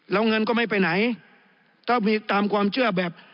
แล้วเงินก็ไม่ไปไหนถ้ามีตามความเชื่อแบบ